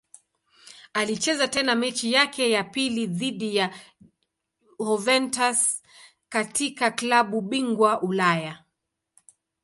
Alicheza tena mechi yake ya pili dhidi ya Juventus katika klabu bingwa Ulaya.